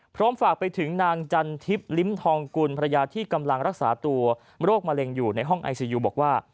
ฝากไปถึงนางจันทิพย์ลิ้มทองกุลภรรยาที่กำลังรักษาตัวโรคมะเร็งอยู่ในห้องไอซียูบอกว่า